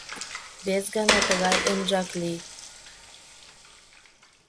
— Вес гана тыгай ынжак лий.